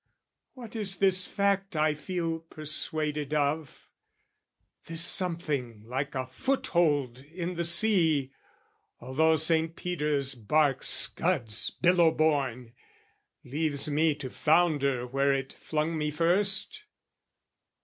What is this fact I feel persuaded of This something like a foothold in the sea, Although Saint Peter's bark scuds, billow borne, Leaves me to founder where it flung me first?